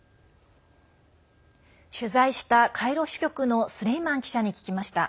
取材したカイロ支局のスレイマン記者に聞きました。